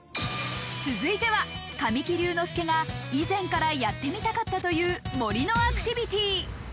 続いては神木隆之介が以前からやってみたかったという森のアクティビティー。